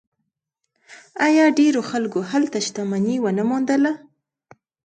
آیا ډیرو خلکو هلته شتمني ونه موندله؟